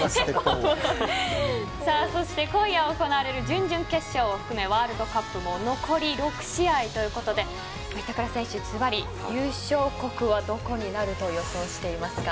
そして、今夜行われる準々決勝を含めワールドカップも残り６試合ということで板倉選手、ズバリ優勝国はどこになると予想してますか？